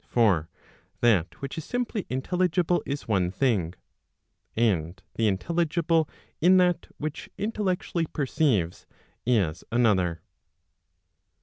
For that which is simply intelligible is one thing, and the intelligible in that which intellectually perceives is another.